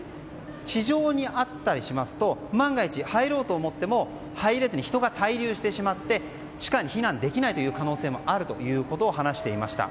地上にあったりしますと万が一入ろうと思っても入れずに人が滞留してしまい地下に避難できない可能性もあるということを話していました。